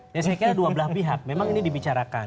saya kira dua belah pihak memang ini dibicarakan